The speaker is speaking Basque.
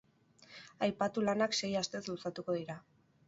Aipatu lanak sei astez luzatuko dira.